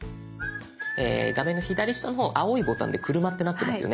画面の左下の方青いボタンで「車」ってなってますよね。